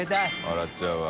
笑っちゃうわ。